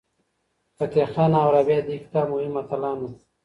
فتح خان او رابعه د دې کتاب مهم اتلان وو.